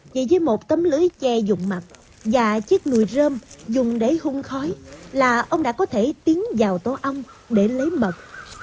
vậy với một tấm lưới che dụng mặt và chiếc núi rơm dùng để hung khói là ông đã có thể tiến vào tố ong để lấy mật